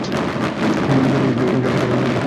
তিনি বিকল্প উইকেট-রক্ষকের ভূমিকায় অবতীর্ণ হয়েছিলেন।